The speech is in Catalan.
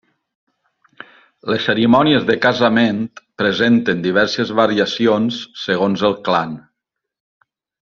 Les cerimònies de casament presenten diverses variacions segons el clan.